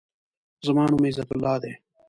زما نوم عزت الله دی.